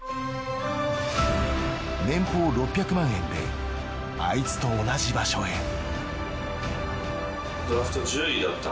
年俸６００万円でアイツと同じ場所へ。